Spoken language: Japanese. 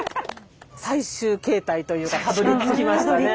最終形態というかたどりつきましたね。